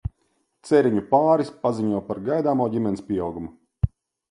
Ceriņu pāris paziņo par gaidāmo ģimenes pieaugumu.